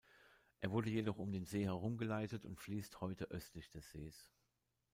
Er wurde jedoch um den See herumgeleitet und fließt heute östlich des Sees.